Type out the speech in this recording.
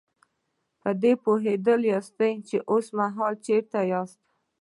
په دې به پوهېدلي ياستئ چې اوسمهال چېرته ياستئ.